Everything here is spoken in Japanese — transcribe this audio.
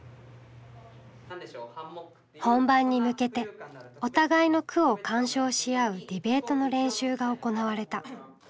本番に向けてお互いの句を鑑賞しあうディベートの練習が行われた。